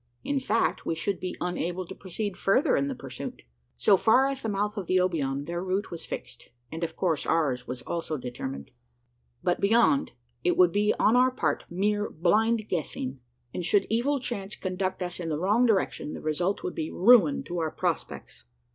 In fact, we should be unable to proceed further in the pursuit. So far as the mouth of the Obion, their route was fixed; and of course ours was also determined. But beyond, it would be on our part mere blind guessing; and, should evil chance conduct us in the wrong direction, the result would be ruin to our prospects.